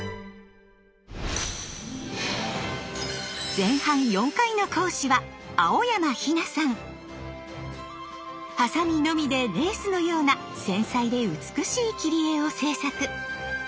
前半４回の講師はハサミのみでレースのような繊細で美しい切り絵を制作。